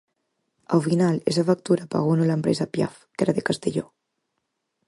Ao final esa factura pagóunola a empresa Piaf, que era de Castelló.